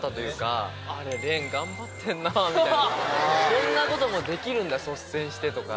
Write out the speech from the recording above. こんなこともできるんだ率先して！とか。